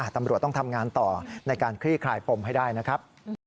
ตำรวจต้องทำงานต่อในการคลี่คลายปมให้ได้นะครับ